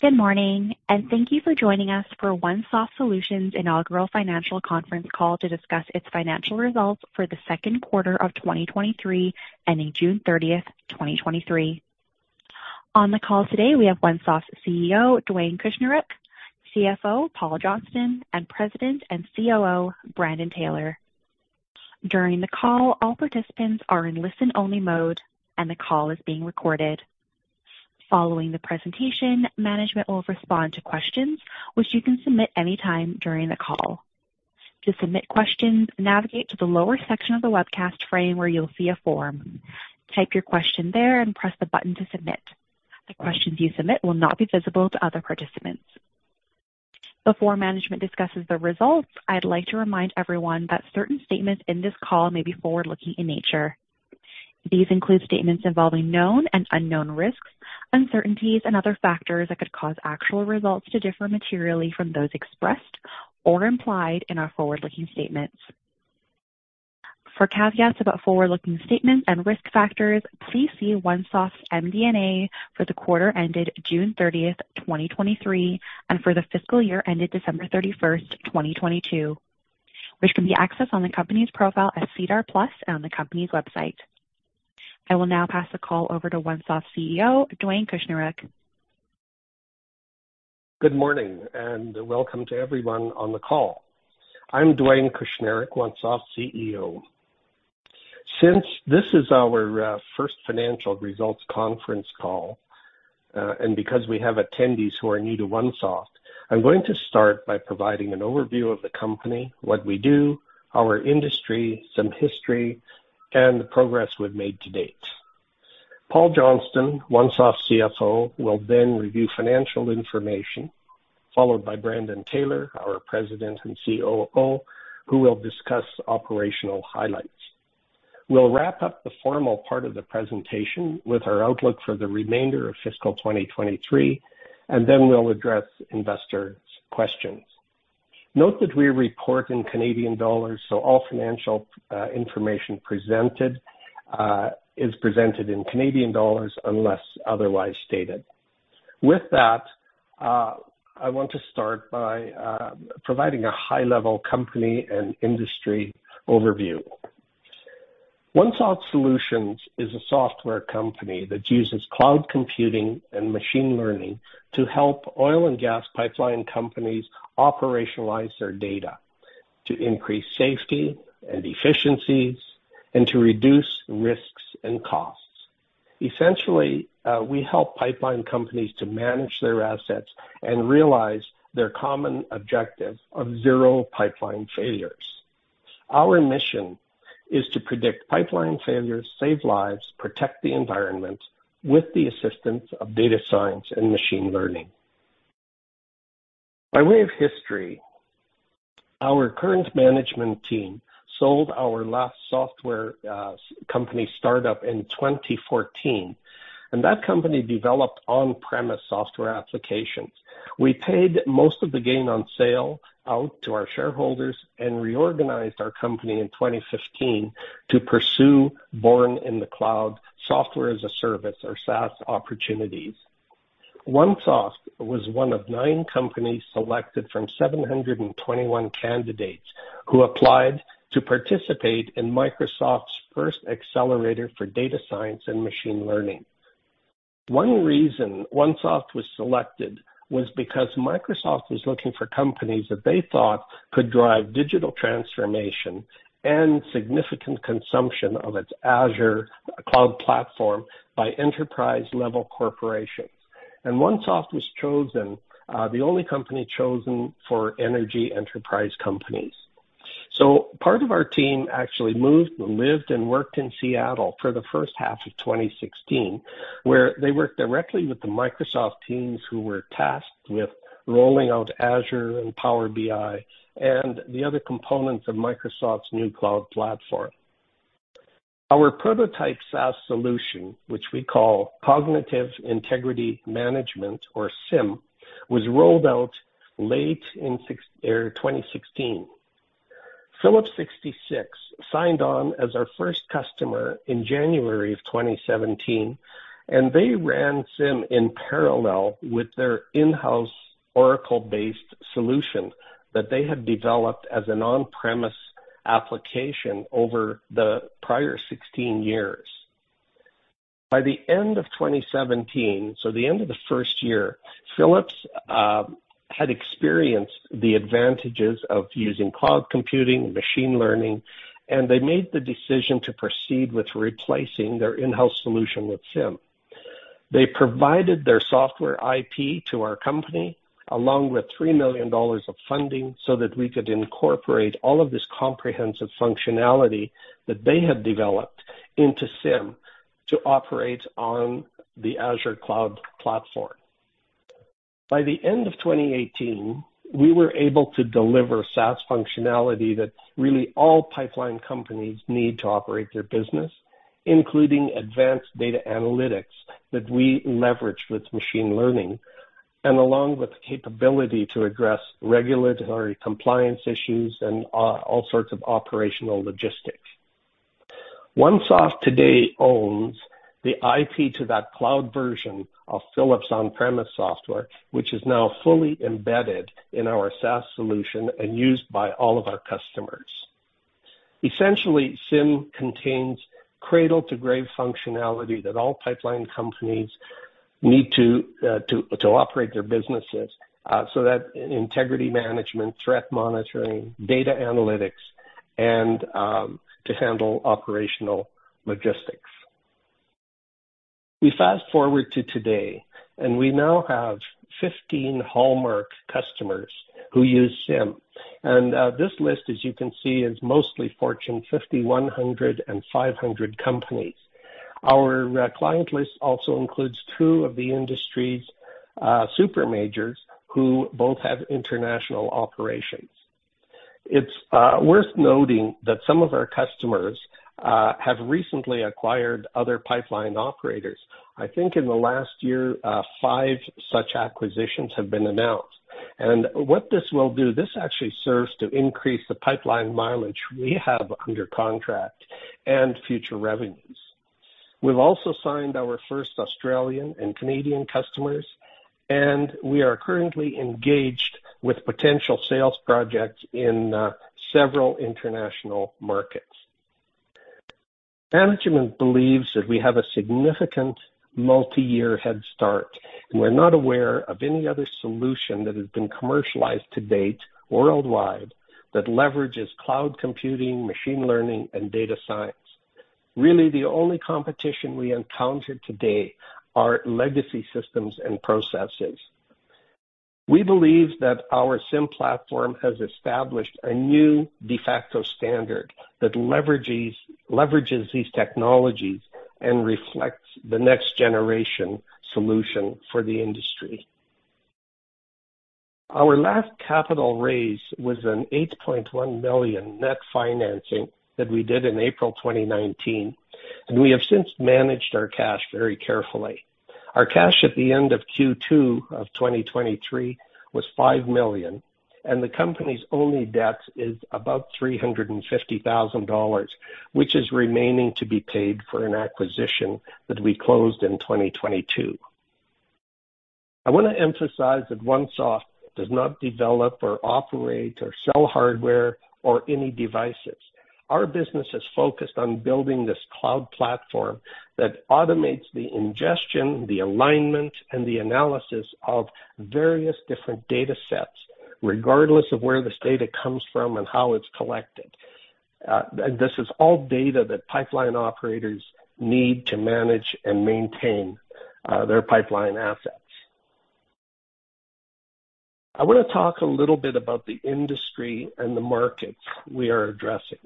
Good morning. Thank you for joining us for OneSoft Solutions Inaugural Financial Conference Call to discuss its financial results for the second quarter of 2023, ending June 30th, 2023. On the call today, we have OneSoft's CEO, Dwayne Kushniruk, CFO, Paul Johnston, and President and COO, Brandon Taylor. During the call, all participants are in listen-only mode. The call is being recorded. Following the presentation, management will respond to questions which you can submit anytime during the call. To submit questions, navigate to the lower section of the webcast frame where you'll see a form. Type your question there and press the button to submit. The questions you submit will not be visible to other participants. Before management discusses the results, I'd like to remind everyone that certain statements in this call may be forward-looking in nature. These include statements involving known and unknown risks, uncertainties, and other factors that could cause actual results to differ materially from those expressed or implied in our forward-looking statements. For caveats about forward-looking statements and risk factors, please see OneSoft's MD&A for the quarter ended June 30th, 2023, and for the fiscal year ended December 31st, 2022, which can be accessed on the company's profile at SEDAR+ and on the company's website. I will now pass the call over to OneSoft's CEO, Dwayne Kushniruk. Good morning, welcome to everyone on the call. I'm Dwayne Kushniruk, OneSoft's CEO. Since this is our first financial results conference call, and because we have attendees who are new to OneSoft, I'm going to start by providing an overview of the company, what we do, our industry, some history, and the progress we've made to date. Paul Johnston, OneSoft's CFO, will review financial information, followed by Brandon Taylor, our President and COO, who will discuss operational highlights. We'll wrap up the formal part of the presentation with our outlook for the remainder of fiscal 2023, and then we'll address investors' questions. Note that we report in Canadian dollars, all financial information presented is presented in Canadian dollars, unless otherwise stated. With that, I want to start by providing a high-level company and industry overview. OneSoft Solutions is a software company that uses cloud computing and machine learning to help oil and gas pipeline companies operationalize their data, to increase safety and efficiencies, and to reduce risks and costs. Essentially, we help pipeline companies to manage their assets and realize their common objective of zero pipeline failures. Our mission is to predict pipeline failures, save lives, protect the environment with the assistance of data science and machine learning. By way of history, our current management team sold our last software company startup in 2014, and that company developed on-premise software applications. We paid most of the gain on sale out to our shareholders and reorganized our company in 2015 to pursue born-in-the-cloud software-as-a-service or SaaS opportunities. OneSoft was one of nine companies selected from 721 candidates who applied to participate in Microsoft's first accelerator for data science and machine learning. One reason OneSoft was selected was because Microsoft was looking for companies that they thought could drive digital transformation and significant consumption of its Azure cloud platform by enterprise-level corporations. OneSoft was chosen, the only company chosen for energy enterprise companies. Part of our team actually moved and lived and worked in Seattle for the first half of 2016, where they worked directly with the Microsoft teams who were tasked with rolling out Azure and Power BI and the other components of Microsoft's new cloud platform. Our prototype SaaS solution, which we call Cognitive Integrity Management, or CIM, was rolled out late in 2016. Phillips 66 signed on as our first customer in January 2017. They ran CIM in parallel with their in-house Oracle-based solution that they had developed as an on-premise application over the prior 16 years. By the end of 2017, so the end of the first year, Phillips had experienced the advantages of using cloud computing and machine learning. They made the decision to proceed with replacing their in-house solution with CIM. They provided their software IP to our company, along with $3 million of funding, so that we could incorporate all of this comprehensive functionality that they had developed into CIM to operate on the Azure cloud platform. By the end of 2018, we were able to deliver SaaS functionality that really all pipeline companies need to operate their business, including advanced data analytics that we leverage with machine learning and along with the capability to address regulatory compliance issues and all sorts of operational logistics. OneSoft today owns the IP to that cloud version of Phillips on-premise software, which is now fully embedded in our SaaS solution and used by all of our customers. Essentially, CIM contains cradle-to-grave functionality that all pipeline companies need to operate their businesses, so that integrity management, threat monitoring, data analytics, and to handle operational logistics. We fast forward to today, we now have 15 hallmark customers who use CIM. This list, as you can see, is mostly Fortune 50, 100, and 500 companies. Our client list also includes two of the industry's super majors who both have international operations. It's worth noting that some of our customers have recently acquired other pipeline operators. I think in the last year, five such acquisitions have been announced. What this will do, this actually serves to increase the pipeline mileage we have under contract and future revenues. We've also signed our first Australian and Canadian customers, and we are currently engaged with potential sales projects in several international markets. Management believes that we have a significant multi-year head start, and we're not aware of any other solution that has been commercialized to date worldwide, that leverages cloud computing, machine learning, and data science. Really, the only competition we encounter today are legacy systems and processes. We believe that our CIM platform has established a new de facto standard that leverages these technologies and reflects the next-generation solution for the industry. Our last capital raise was a 8.1 million net financing that we did in April 2019, and we have since managed our cash very carefully. Our cash at the end of Q2 of 2023 was 5 million, and the company's only debt is about 350,000 dollars, which is remaining to be paid for an acquisition that we closed in 2022. I want to emphasize that OneSoft does not develop or operate or sell hardware or any devices. Our business is focused on building this cloud platform that automates the ingestion, the alignment, and the analysis of various different data sets, regardless of where this data comes from and how it's collected. This is all data that pipeline operators need to manage and maintain their pipeline assets. I want to talk a little bit about the industry and the markets we are addressing.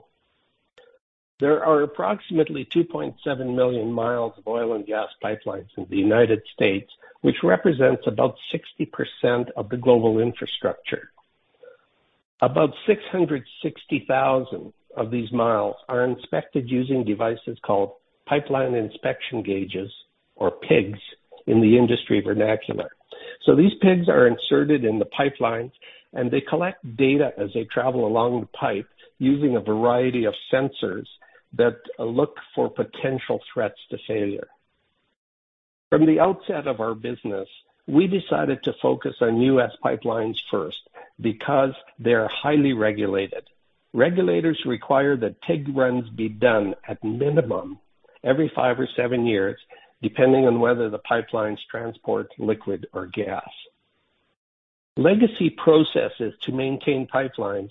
There are approximately 2.7 million miles of oil and gas pipelines in the United States, which represents about 60% of the global infrastructure. About 660,000 of these miles are inspected using devices called pipeline inspection gauges, or PIGs, in the industry vernacular. These PIGs are inserted in the pipelines, and they collect data as they travel along the pipe, using a variety of sensors that look for potential threats to failure. From the outset of our business, we decided to focus on U.S. pipelines first because they are highly regulated. Regulators require that pig runs be done at minimum every five or seven years, depending on whether the pipelines transport liquid or gas. Legacy processes to maintain pipelines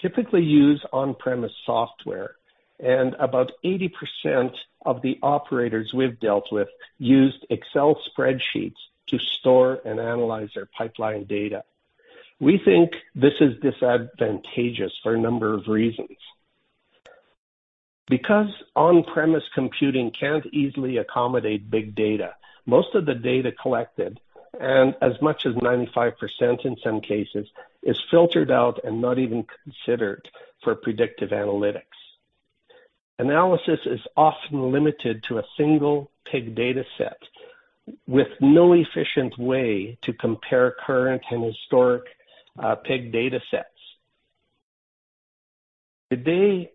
typically use on-premise software, and about 80% of the operators we've dealt with used Excel spreadsheets to store and analyze their pipeline data. We think this is disadvantageous for a number of reasons. Because on-premise computing can't easily accommodate big data, most of the data collected, and as much as 95% in some cases, is filtered out and not even considered for predictive analytics. Analysis is often limited to a single pig dataset, with no efficient way to compare current and historic pig datasets. Today,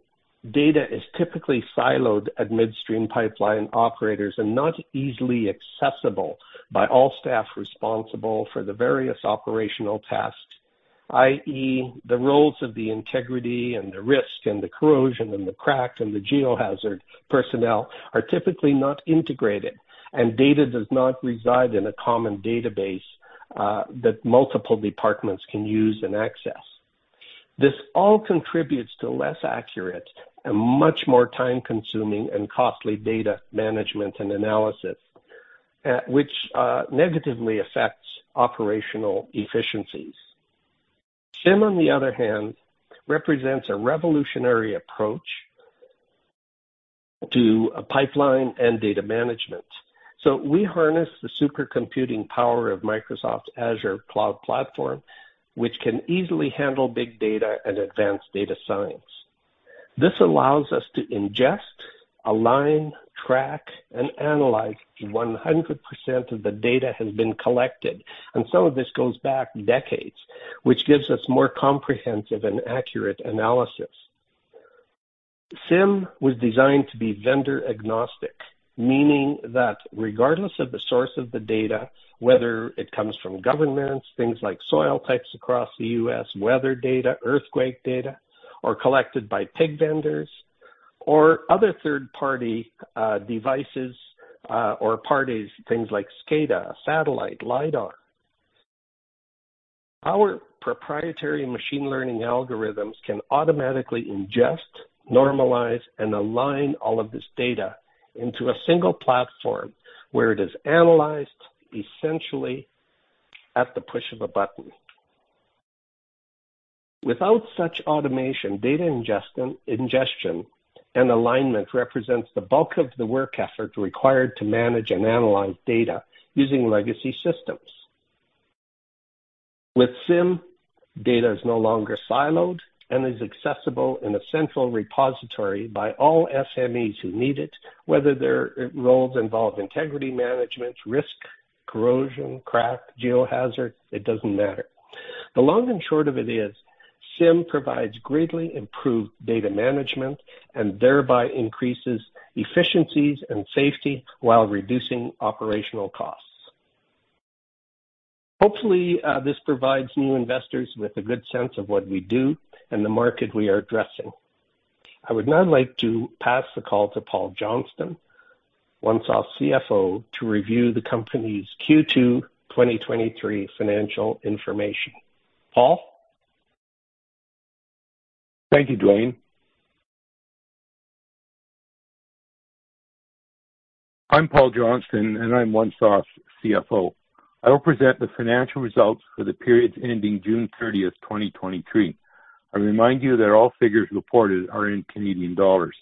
data is typically siloed at midstream pipeline operators and not easily accessible by all staff responsible for the various operational tasks, i.e., the roles of the integrity and the risk and the corrosion and the crack and the geohazard personnel are typically not integrated, and data does not reside in a common database that multiple departments can use and access. This all contributes to less accurate and much more time-consuming and costly data management and analysis, which negatively affects operational efficiencies. CIM, on the other hand, represents a revolutionary approach to a pipeline and data management. We harness the supercomputing power of Microsoft's Azure cloud platform, which can easily handle big data and advanced data science. This allows us to ingest, align, track, and analyze 100% of the data that has been collected, and some of this goes back decades. which gives us more comprehensive and accurate analysis. CIM was designed to be vendor agnostic, meaning that regardless of the source of the data, whether it comes from governments, things like soil types across the U.S., weather data, earthquake data, or collected by PIG vendors or other third-party devices or parties, things like SCADA, satellite, LiDAR. Our proprietary machine learning algorithms can automatically ingest, normalize, and align all of this data into a single platform where it is analyzed essentially at the push of a button. Without such automation, data ingestion and alignment represents the bulk of the work effort required to manage and analyze data using legacy systems. With CIM, data is no longer siloed and is accessible in a central repository by all SMEs who need it, whether their roles involve integrity management, risk, corrosion, crack, geohazard, it doesn't matter. The long and short of it is, CIM provides greatly improved data management and thereby increases efficiencies and safety while reducing operational costs. Hopefully, this provides new investors with a good sense of what we do and the market we are addressing. I would now like to pass the call to Paul Johnston, OneSoft's CFO, to review the company's Q2 2023 financial information. Paul? Thank you, Dwayne. I'm Paul Johnston, and I'm OneSoft's CFO. I will present the financial results for the periods ending June 30th, 2023. I remind you that all figures reported are in Canadian dollars.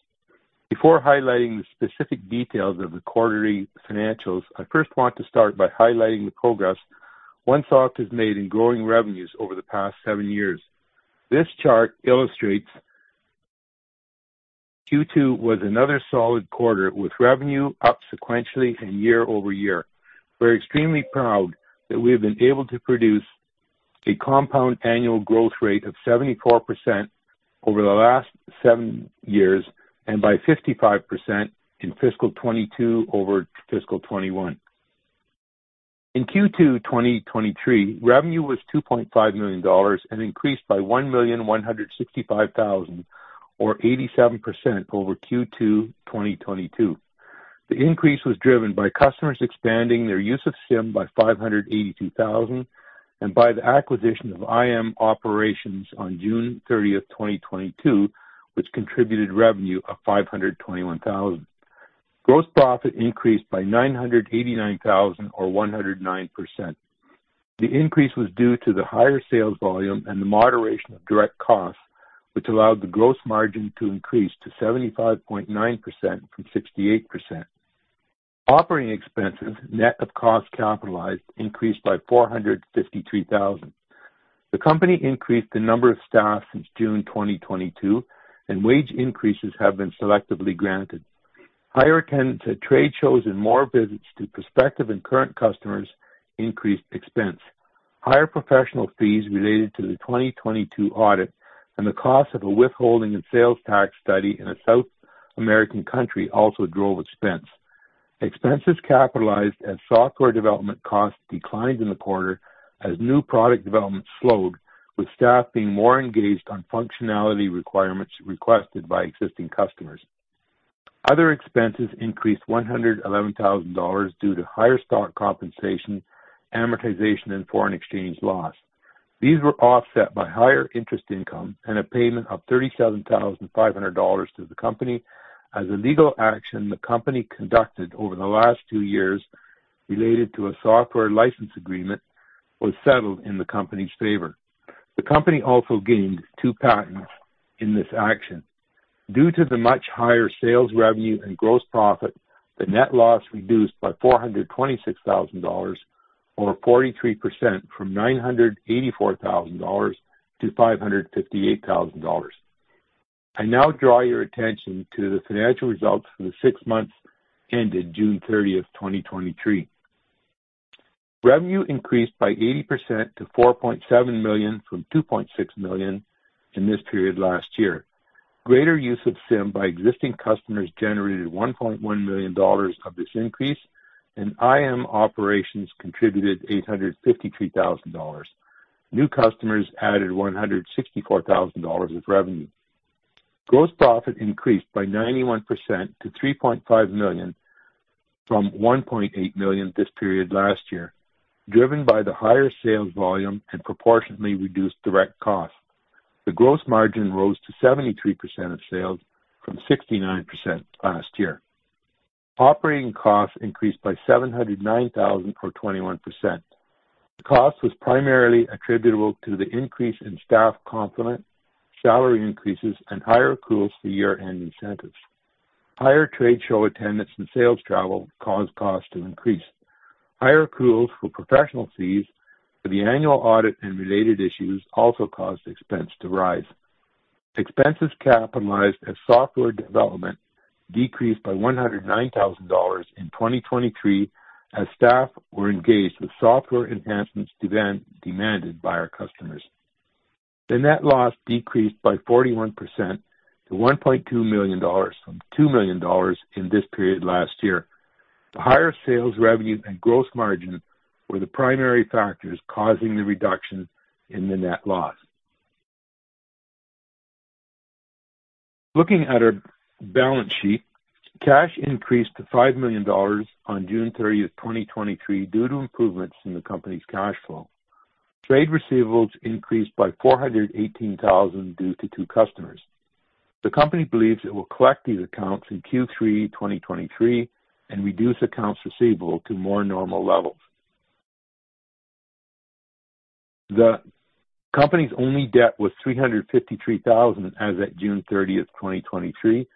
Before highlighting the specific details of the quarterly financials, I first want to start by highlighting the progress OneSoft has made in growing revenues over the past seven years. This chart illustrates Q2 was another solid quarter, with revenue up sequentially and year-over-year. We're extremely proud that we have been able to produce a compound annual growth rate of 74% over the last seven years and by 55% in fiscal 2022 over fiscal 2021. In Q2 2023, revenue was 2.5 million dollars and increased by 1,165,000, or 87% over Q2 2022. The increase was driven by customers expanding their use of CIM by 582,000, and by the acquisition of IM Operations on June 30th, 2022, which contributed revenue of 521,000. Gross profit increased by 989,000 or 109%. The increase was due to the higher sales volume and the moderation of direct costs, which allowed the gross margin to increase to 75.9% from 68%. Operating expenses, net of cost capitalized, increased by 453,000. The company increased the number of staff since June 2022, and wage increases have been selectively granted. Higher attendance at trade shows and more visits to prospective and current customers increased expense. Higher professional fees related to the 2022 audit and the cost of a withholding and sales tax study in a South American country also drove expense. Expenses capitalized as software development costs declined in the quarter as new product development slowed, with staff being more engaged on functionality requirements requested by existing customers. Other expenses increased 111,000 dollars due to higher stock compensation, amortization and foreign exchange loss. These were offset by higher interest income and a payment of 37,500 dollars to the company as a legal action the company conducted over the last two years related to a software license agreement was settled in the company's favor. The company also gained two patents in this action. Due to the much higher sales revenue and gross profit, the net loss reduced by 426,000 dollars, or 43% from 984,000 dollars to 558,000 dollars. I now draw your attention to the financial results for the six months ended June 30th, 2023. Revenue increased by 80% to 4.7 million from 2.6 million in this period last year. Greater use of CIM by existing customers generated 1.1 million dollars of this increase, and IM Operations contributed 853,000 dollars. New customers added 164,000 dollars of revenue. Gross profit increased by 91% to 3.5 million from 1.8 million this period last year, driven by the higher sales volume and proportionately reduced direct costs. The gross margin rose to 73% of sales from 69% last year. Operating costs increased by 709,000, or 21%. The cost was primarily attributable to the increase in staff complement, salary increases, and higher accruals for year-end incentives. Higher trade show attendance and sales travel caused costs to increase. Higher accruals for professional fees for the annual audit and related issues also caused expense to rise. Expenses capitalized as software development decreased by 109,000 dollars in 2023, as staff were engaged with software enhancements demanded by our customers. The net loss decreased by 41% to 1.2 million dollars from 2 million dollars in this period last year. The higher sales revenue and gross margin were the primary factors causing the reduction in the net loss. Looking at our balance sheet, cash increased to 5 million dollars on June 30th, 2023, due to improvements in the company's cash flow. Trade receivables increased by 418,000 due to two customers. The company believes it will collect these accounts in Q3 2023 and reduce accounts receivable to more normal levels. The company's only debt was 353,000 as at June 30th, 2023,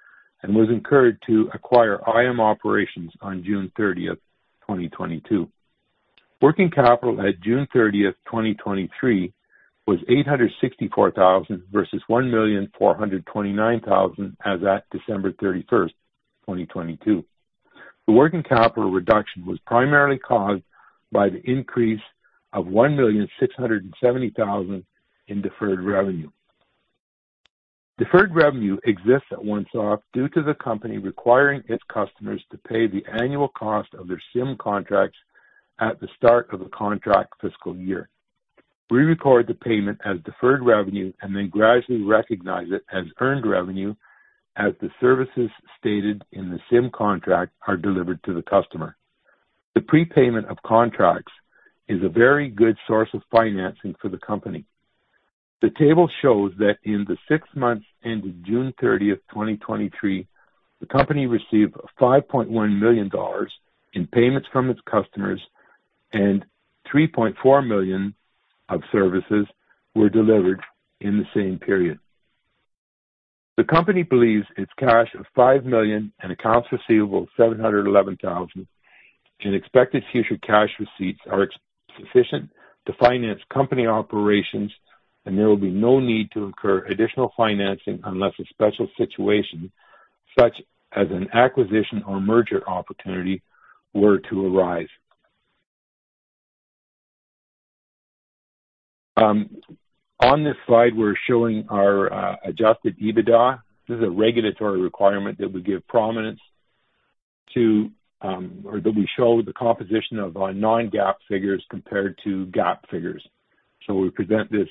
and was incurred to acquire IM Operations on June 30th, 2022. Working capital at June 30th, 2023, was 864,000 versus 1,429,000 as at December 31st, 2022. The working capital reduction was primarily caused by the increase of 1,670,000 in deferred revenue. Deferred revenue exists at OneSoft due to the company requiring its customers to pay the annual cost of their CIM contracts at the start of the contract fiscal year. We record the payment as deferred revenue and then gradually recognize it as earned revenue as the services stated in the CIM contract are delivered to the customer. The prepayment of contracts is a very good source of financing for the company. The table shows that in the six months ended June 30th, 2023, the company received $5.1 million in payments from its customers, and $3.4 million of services were delivered in the same period. The company believes its cash of 5 million and accounts receivable of 711,000 and expected future cash receipts are sufficient to finance company operations, and there will be no need to incur additional financing unless a special situation, such as an acquisition or merger opportunity, were to arise. On this slide, we're showing our adjusted EBITDA. This is a regulatory requirement that we give prominence to, or that we show the composition of our non-GAAP figures compared to GAAP figures. We present this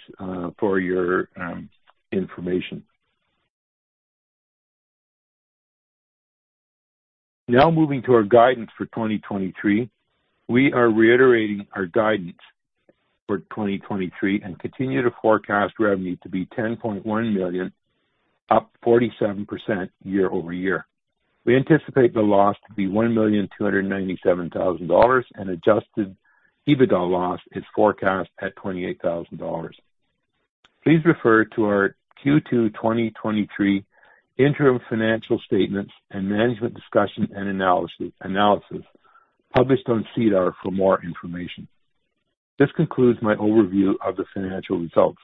for your information. Moving to our guidance for 2023. We are reiterating our guidance for 2023 and continue to forecast revenue to be 10.1 million, up 47% year-over-year. We anticipate the loss to be 1,297,000 dollars. Adjusted EBITDA loss is forecast at 28,000 dollars. Please refer to our Q2 2023 interim financial statements and management discussion and analysis published on SEDAR for more information. This concludes my overview of the financial results.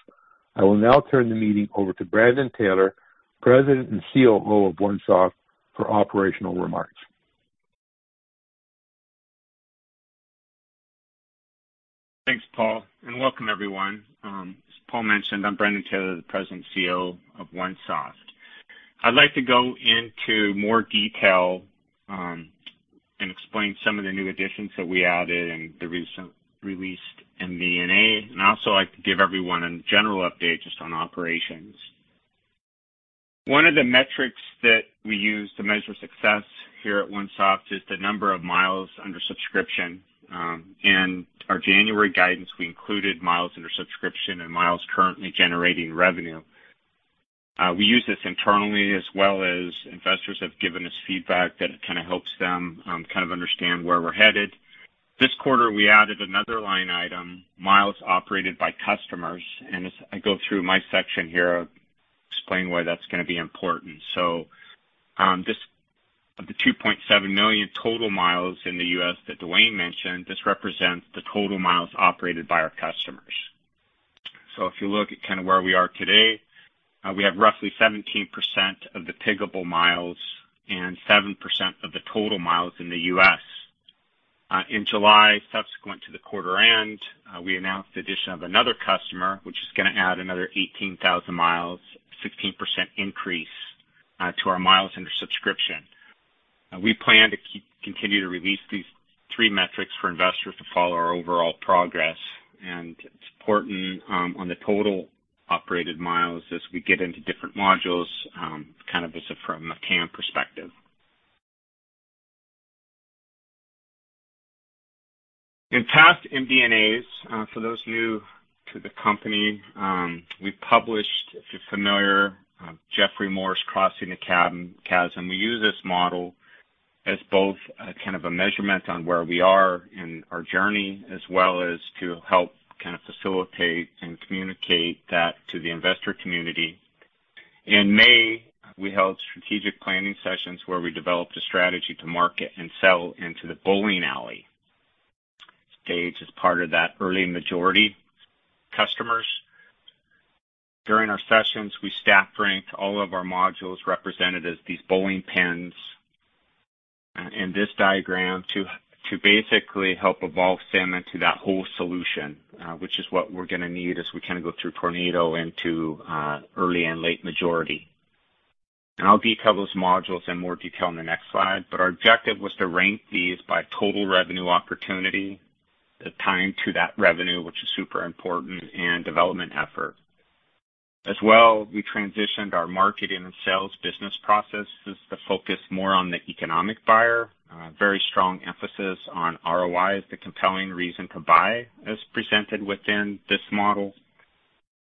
I will now turn the meeting over to Brandon Taylor, President and COO of OneSoft, for operational remarks. Thanks, Paul. Welcome, everyone. As Paul mentioned, I'm Brandon Taylor, the President and CEO of OneSoft. I'd like to go into more detail and explain some of the new additions that we added in the recent released MD&A, and I'd also like to give everyone a general update just on operations. One of the metrics that we use to measure success here at OneSoft is the number of miles under subscription. Our January guidance, we included miles under subscription and miles currently generating revenue. We use this internally as well as investors have given us feedback that it kind of helps them kind of understand where we're headed. This quarter, we added another line item, miles operated by customers, and as I go through my section here, I'll explain why that's going to be important. This, of the 2.7 million total miles in the U.S. that Dwayne mentioned, this represents the total miles operated by our customers. If you look at kind of where we are today, we have roughly 17% of the piggable miles and 7% of the total miles in the U.S. In July, subsequent to the quarter end, we announced the addition of another customer, which is going to add another 18,000 miles, 16% increase, to our miles under subscription. We plan to continue to release these three metrics for investors to follow our overall progress, and it's important on the total operated miles as we get into different modules, kind of just from a TAM perspective. In past MD&As, for those new to the company, we published, if you're familiar, Geoffrey Moore's Crossing the Chasm. We use this model as both a kind of a measurement on where we are in our journey, as well as to help kind of facilitate and communicate that to the investor community. In May, we held strategic planning sessions where we developed a strategy to market and sell into the bowling alley stage as part of that early majority customers. During our sessions, we staff ranked all of our modules represented as these bowling pins, in this diagram to basically help evolve CIM into that whole solution, which is what we're going to need as we kind of go through tornado into early and late majority. I'll detail those modules in more detail in the next slide, but our objective was to rank these by total revenue opportunity, the time to that revenue, which is super important, and development effort. As well, we transitioned our marketing and sales business processes to focus more on the economic buyer. Very strong emphasis on ROI as the compelling reason to buy, as presented within this model.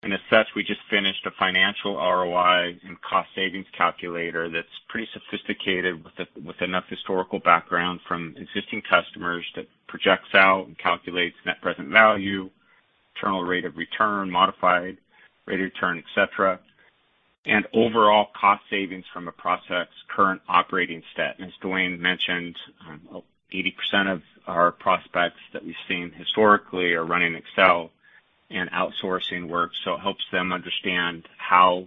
As such, we just finished a financial ROI and cost savings calculator that's pretty sophisticated with, with enough historical background from existing customers that projects out and calculates net present value, internal rate of return, modified rate of return, et cetera, and overall cost savings from a process current operating set. As Dwayne mentioned, 80% of our prospects that we've seen historically are running Excel and outsourcing work, so it helps them understand how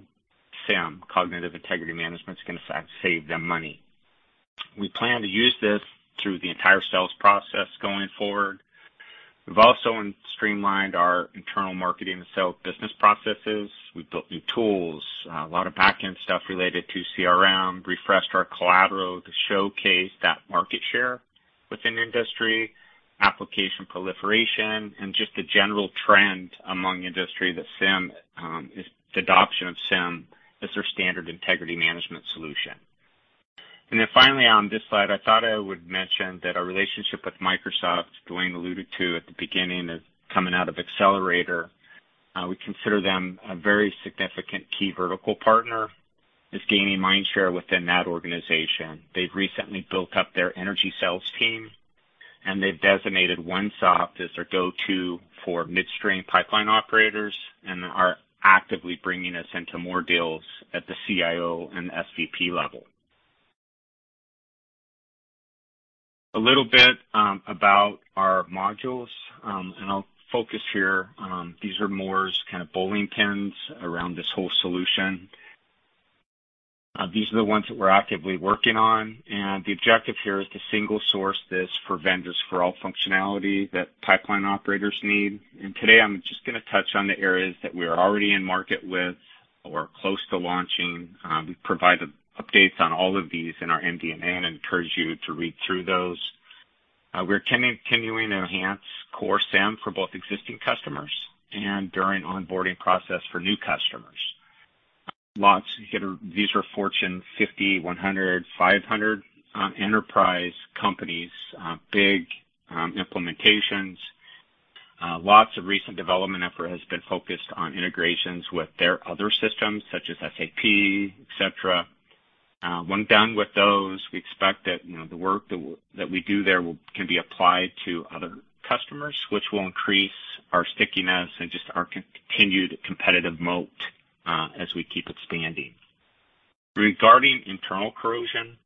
CIM, Cognitive Integrity Management, is going to save them money. We plan to use this through the entire sales process going forward. We've also streamlined our internal marketing and sales business processes. We've built new tools, a lot of backend stuff related to CRM, refreshed our collateral to showcase that market share within the industry, application proliferation, and just the general trend among industry that CIM, the adoption of CIM as their standard integrity management solution. Then finally, on this slide, I thought I would mention that our relationship with Microsoft, Dwayne alluded to at the beginning, is coming out of Accelerator. We consider them a very significant key vertical partner, is gaining mind share within that organization. They've recently built up their energy sales team, they've designated OneSoft as their go-to for midstream pipeline operators and are actively bringing us into more deals at the CIO and SVP level. A little bit about our modules, I'll focus here. These are more as kind of bowling pins around this whole solution. These are the ones that we're actively working on, and the objective here is to single source this for vendors for all functionality that pipeline operators need. Today, I'm just going to touch on the areas that we are already in market with or close to launching. We've provided updates on all of these in our MD&A and encourage you to read through those. We're continuing to enhance core CIM for both existing customers and during onboarding process for new customers. Lots, these are Fortune 50, 100, 500 enterprise companies, big implementations. Lots of recent development effort has been focused on integrations with their other systems, such as SAP, et cetera. When done with those, we expect that, you know, the work that we do there will can be applied to other customers, which will increase our stickiness and just our continued competitive moat as we keep expanding. Regarding internal corrosion,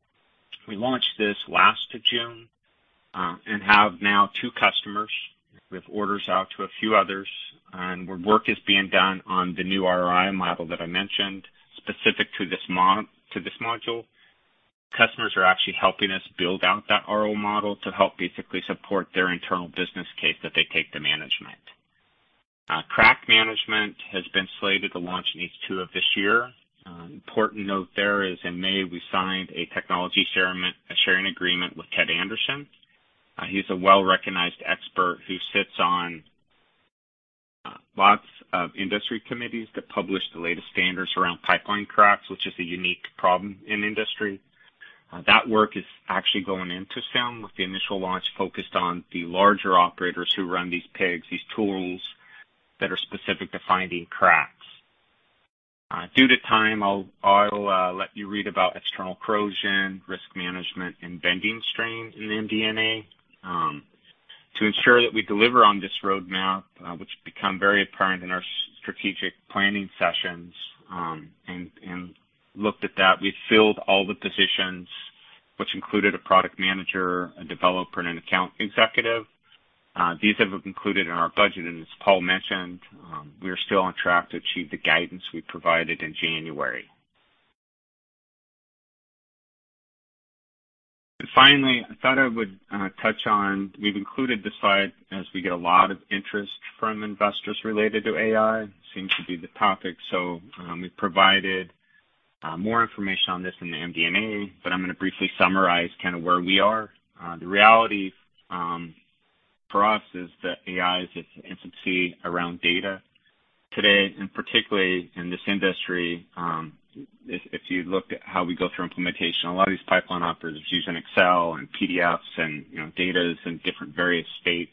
we launched this last June and have now two customers. We have orders out to a few others, work is being done on the new ROI model that I mentioned, specific to this module. Customers are actually helping us build out that ROI model to help basically support their internal business case that they take the management. Crack management has been slated to launch in H2 of this year. Important note there is in May, we signed a technology sharing agreement with Ted Anderson. He's a well-recognized expert who sits on, lots of industry committees that publish the latest standards around pipeline cracks, which is a unique problem in industry. That work is actually going into CIM, with the initial launch focused on the larger operators who run these PIGs, these tools that are specific to finding cracks. Due to time, I'll, let you read about external corrosion, risk management, and bending strain in the MD&A. To ensure that we deliver on this roadmap, which become very apparent in our strategic planning sessions, and looked at that, we've filled all the positions, which included a product manager, a developer, and an account executive. These have been included in our budget, as Paul mentioned, we are still on track to achieve the guidance we provided in January. Finally, I thought I would touch on... We've included this slide as we get a lot of interest from investors related to AI. Seems to be the topic. We've provided more information on this in the MD&A, but I'm going to briefly summarize kind of where we are. The reality for us is that AI is its infancy around data. Today, and particularly in this industry, if, if you look at how we go through implementation, a lot of these pipeline operators are using Excel and PDFs and, you know, data is in different various states.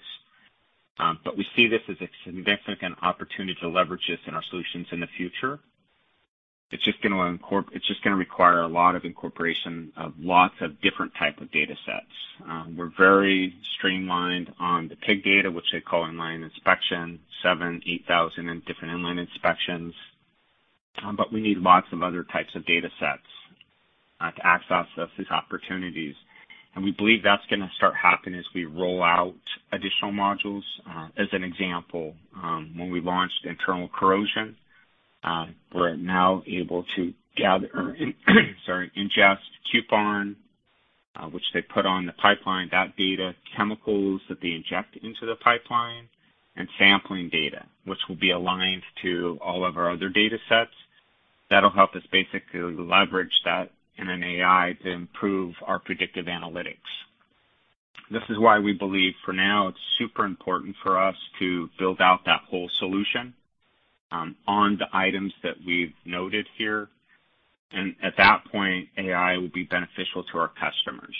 We see this as a significant opportunity to leverage this in our solutions in the future. It's just going to require a lot of incorporation of lots of different type of data sets. We're very streamlined on the PIG data, which they call inline inspection, 7,000-8,000 in different inline inspections. We need lots of other types of data sets to access these opportunities, and we believe that's gonna start happening as we roll out additional modules. As an example, when we launched internal corrosion, we're now able to gather, sorry, ingest coupon, which they put on the pipeline, that data, chemicals that they inject into the pipeline, and sampling data, which will be aligned to all of our other data sets. That'll help us basically leverage that in an AI to improve our predictive analytics. This is why we believe for now, it's super important for us to build out that whole solution, on the items that we've noted here. At that point, AI will be beneficial to our customers.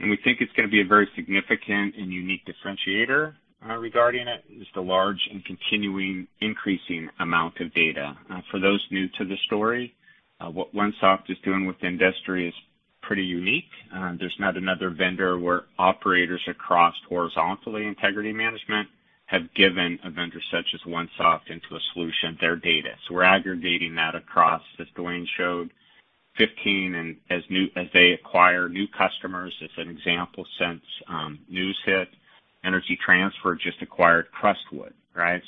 We think it's gonna be a very significant and unique differentiator, regarding it, is the large and continuing increasing amount of data. For those new to the story, what OneSoft is doing with the industry is pretty unique. There's not another vendor where operators across horizontally, integrity management, have given a vendor such as OneSoft into a solution, their data. We're aggregating that across, as Dwayne showed, 15 and as they acquire new customers. As an example, since, news hit, Energy Transfer just acquired Crestwood, right?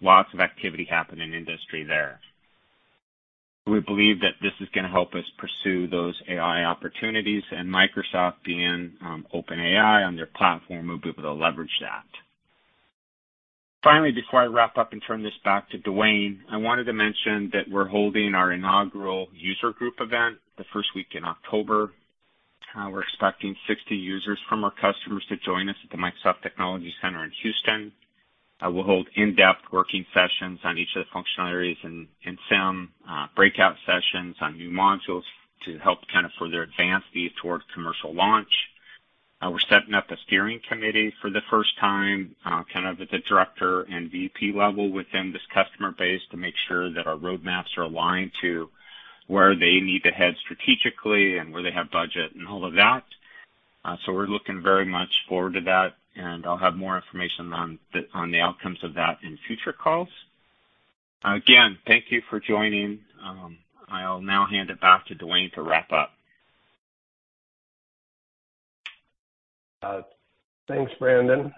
Lots of activity happening in industry there. We believe that this is gonna help us pursue those AI opportunities, and Microsoft being OpenAI on their platform, we'll be able to leverage that. Finally, before I wrap up and turn this back to Dwayne, I wanted to mention that we're holding our inaugural user group event the first week in October. We're expecting 60 users from our customers to join us at the Microsoft Technology Center in Houston. We'll hold in-depth working sessions on each of the functionalities in CIM, breakout sessions on new modules to help kind of further advance these towards commercial launch. We're setting up a steering committee for the first time, kind of at the director and VP level within this customer base, to make sure that our roadmaps are aligned to where they need to head strategically and where they have budget and all of that. We're looking very much forward to that, and I'll have more information on the, on the outcomes of that in future calls. Again, thank you for joining. I'll now hand it back to Dwayne to wrap up. Thanks, Brandon.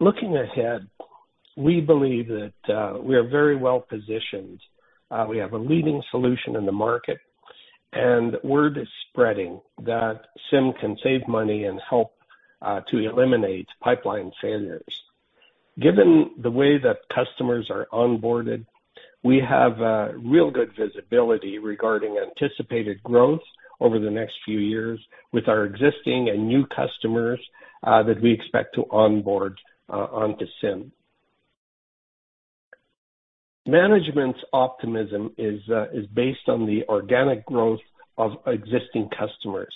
Looking ahead, we believe that we are very well-positioned. We have a leading solution in the market, word is spreading that CIM can save money and help to eliminate pipeline failures. Given the way that customers are onboarded, we have real good visibility regarding anticipated growth over the next few years with our existing and new customers that we expect to onboard onto CIM. Management's optimism is based on the organic growth of existing customers.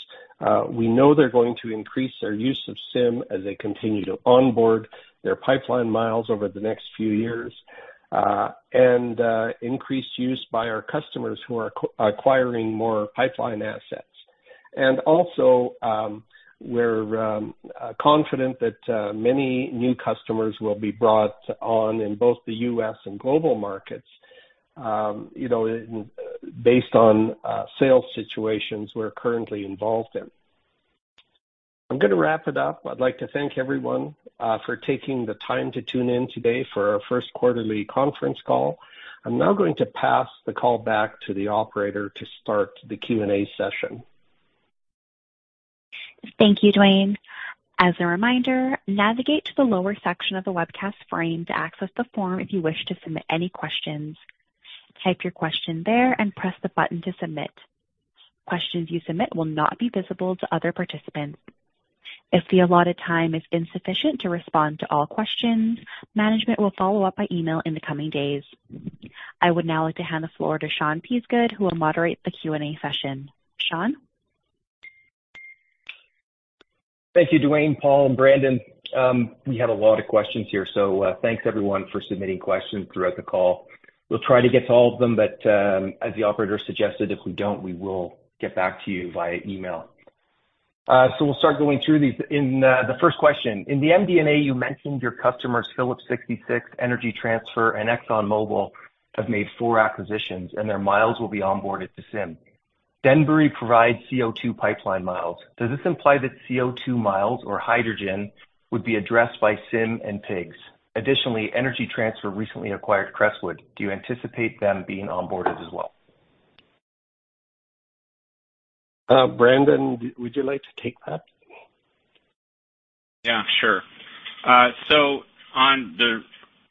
We know they're going to increase their use of CIM as they continue to onboard their pipeline miles over the next few years, increased use by our customers who are acquiring more pipeline assets. Also, we're confident that many new customers will be brought on in both the U.S. and global markets, you know, based on sales situations we're currently involved in. I'm gonna wrap it up. I'd like to thank everyone for taking the time to tune in today for our first quarterly conference call. I'm now going to pass the call back to the operator to start the Q&A session. Thank you, Dwayne. As a reminder, navigate to the lower section of the webcast frame to access the form if you wish to submit any questions. Type your question there and press the button to submit. Questions you submit will not be visible to other participants. If the allotted time is insufficient to respond to all questions, management will follow up by email in the coming days. I would now like to hand the floor to Sean Peasgood, who will moderate the Q&A session. Sean? Thank you, Dwayne, Paul, and Brandon. We have a lot of questions here, so thanks, everyone, for submitting questions throughout the call. We'll try to get to all of them, but as the operator suggested, if we don't, we will get back to you via email. We'll start going through these. In the first question: In the MD&A, you mentioned your customers, Phillips 66, Energy Transfer, ExxonMobil, have made four acquisitions, and their miles will be onboarded to CIM. Denbury provides CO2 pipeline miles. Does this imply that CO2 miles or hydrogen would be addressed by CIM and PIGs? Additionally, Energy Transfer recently acquired Crestwood. Do you anticipate them being onboarded as well? Brandon, would you like to take that? Yeah, sure. On the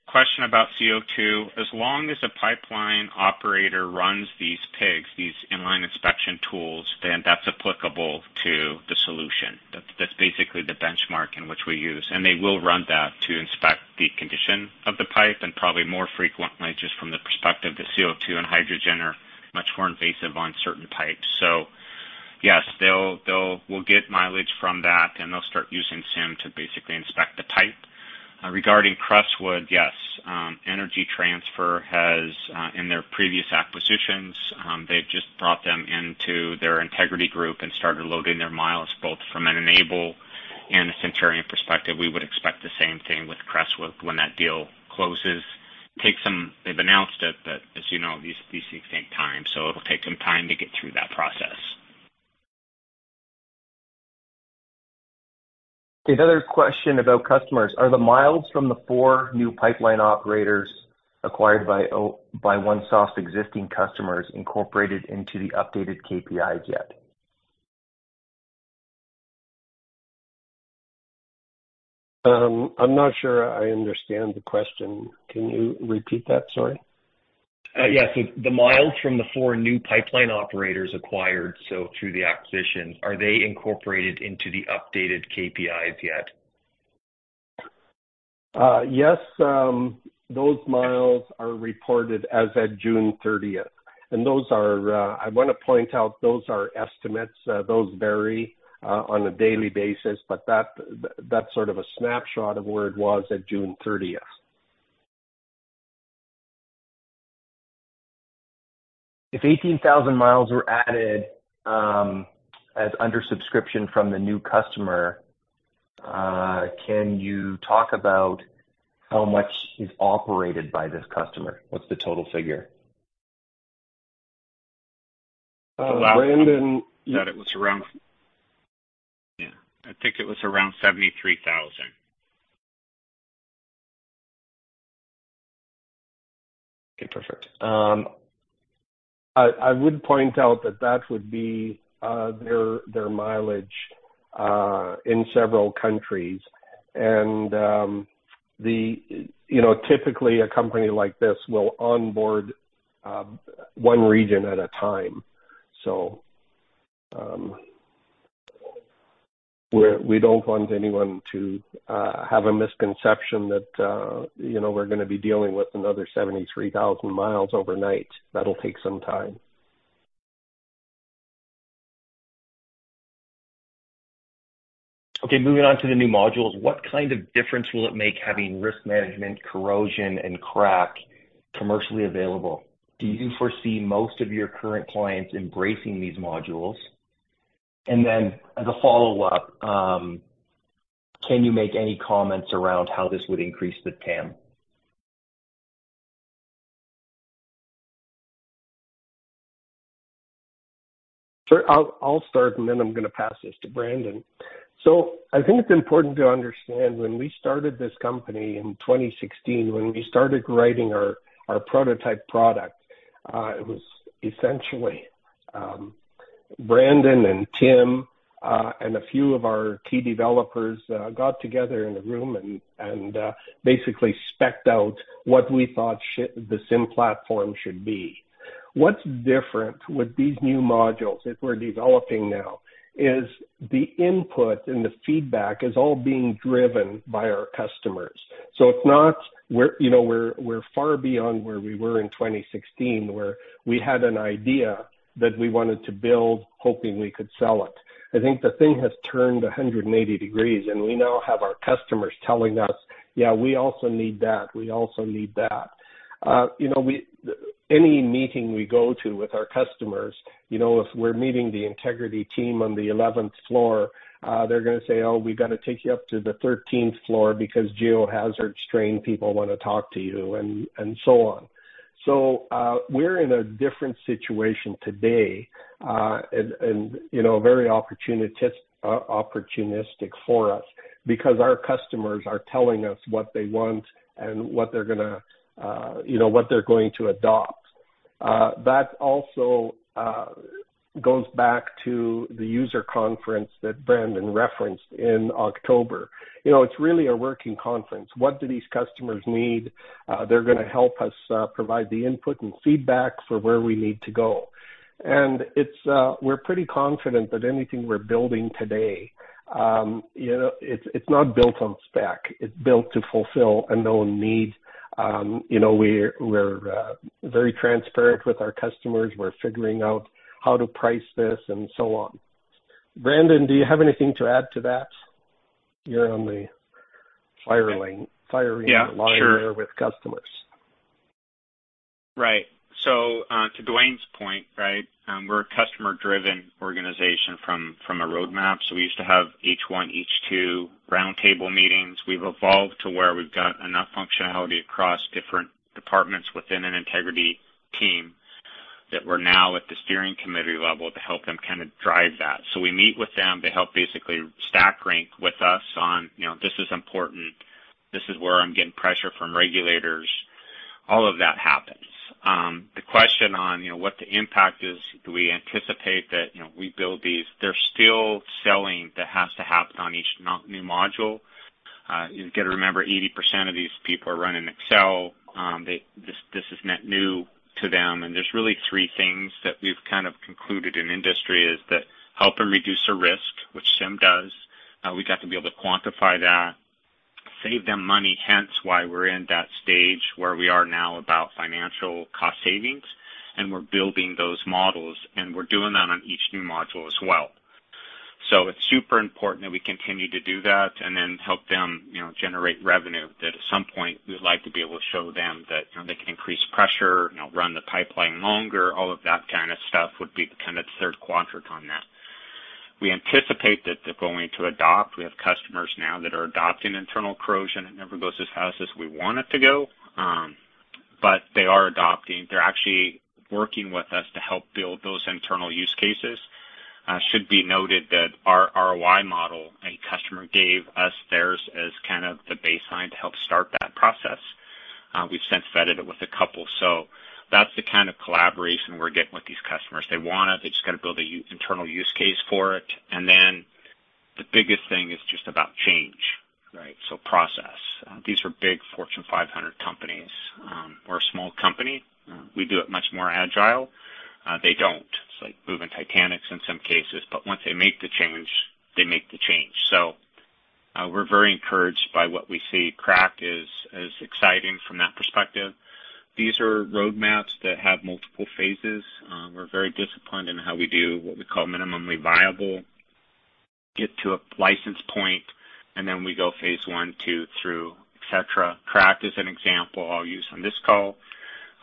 question about CO2, as long as a pipeline operator runs these PIGs, these inline inspection tools, then that's applicable to the solution. That's basically the benchmark in which we use, and they will run that to inspect the condition of the pipe, and probably more frequently, just from the perspective that CO2 and hydrogen are much more invasive on certain pipes. Yes, We'll get mileage from that, and they'll start using CIM to basically inspect. Regarding Crestwood, yes. Energy Transfer has in their previous acquisitions they've just brought them into their integrity group and started loading their miles, both from an Enable and a Centurion perspective. We would expect the same thing with Crestwood when that deal closes. They've announced it, but as you know, these, these things take time, so it'll take some time to get through that process. Okay. The other question about customers, are the miles from the four new pipeline operators acquired by OneSoft's existing customers incorporated into the updated KPIs yet? I'm not sure I understand the question. Can you repeat that? Sorry. Yeah. The miles from the four new pipeline operators acquired, so through the acquisition, are they incorporated into the updated KPIs yet? Yes, those miles are reported as at June 30th. Those are, I wanna point out, those are estimates. Those vary, on a daily basis, but that, that's sort of a snapshot of where it was at June 30th. If 18,000 miles were added, as under subscription from the new customer, can you talk about how much is operated by this customer? What's the total figure? Brandon- That it was around, yeah, I think it was around 73,000. Okay, perfect. I would point out that that would be their, their mileage in several countries. The, you know, typically a company like this will onboard one region at a time. We, we don't want anyone to have a misconception that, you know, we're gonna be dealing with another 73,000 miles overnight. That'll take some time. Okay. Moving on to the new modules. What kind of difference will it make having risk management, corrosion, and crack commercially available? Do you foresee most of your current clients embracing these modules? Then, as a follow-up, can you make any comments around how this would increase the TAM? Sure. I'll start, and then I'm gonna pass this to Brandon. I think it's important to understand, when we started this company in 2016, when we started writing our, our prototype product, it was essentially Brandon and Tim, and a few of our key developers, got together in a room and, and basically spec'd out what we thought the CIM platform should be. What's different with these new modules that we're developing now is the input and the feedback is all being driven by our customers. It's not we're, you know, we're, we're far beyond where we were in 2016, where we had an idea that we wanted to build, hoping we could sell it. I think the thing has turned 180 degrees, and we now have our customers telling us, "Yeah, we also need that. We also need that." You know, we, any meeting we go to with our customers, you know, if we're meeting the integrity team on the 11th floor, they're gonna say, "Oh, we've got to take you up to the 13th floor because geohazard strain people wanna talk to you," and so on. We're in a different situation today, and, you know, very opportunistic for us because our customers are telling us what they want and what they're gonna, you know, what they're going to adopt. That also goes back to the user conference that Brandon referenced in October. You know, it's really a working conference. What do these customers need? They're gonna help us provide the input and feedback for where we need to go. It's, we're pretty confident that anything we're building today, you know, it's, it's not built on spec. It's built to fulfill a known need. You know, we're, we're very transparent with our customers. We're figuring out how to price this and so on. Brandon, do you have anything to add to that? You're on the fire lane with customers. Yeah, sure. Right. To Dwayne's point, right, we're a customer-driven organization from, from a roadmap. We used to have H1, H2 roundtable meetings. We've evolved to where we've got enough functionality across different departments within an integrity team, that we're now at the steering committee level to help them kind of drive that. We meet with them to help basically stack rank with us on, you know, this is important. This is where I'm getting pressure from regulators. All of that happens. The question on, you know, what the impact is, do we anticipate that, you know, we build these? They're still selling. That has to happen on each new module. You got to remember, 80% of these people are running Excel. This is not new to them. There's really three things that we've kind of concluded in industry is that help them reduce their risk, which CIM does. We got to be able to quantify that, save them money, hence why we're in that stage where we are now about financial cost savings, and we're building those models, and we're doing that on each new module as well. It's super important that we continue to do that and then help them, you know, generate revenue, that at some point, we would like to be able to show them that, you know, they can increase pressure, you know, run the pipeline longer. All of that kind of stuff would be the kind of third quadrant on that. We anticipate that they're going to adopt. We have customers now that are adopting internal corrosion. It never goes as fast as we want it to go, but they are adopting. They're actually working with us to help build those internal use cases. Should be noted that our ROI model, a customer gave us theirs as kind of the baseline to help start that process. We've since vetted it with a couple, so that's the kind of collaboration we're getting with these customers. They want it, they just got to build an internal use case for it, and then the biggest thing is just about change, right? Process. These are big Fortune 500 companies. We're a small company. We do it much more agile. They don't. It's like moving Titanics in some cases, but once they make the change, they make the change. We're very encouraged by what we see. Crack is exciting from that perspective. These are roadmaps that have multiple phases. We're very disciplined in how we do what we call minimum viable, get to a license point, and then we go phase I, II, through, et cetera. Crack is an example I'll use on this call.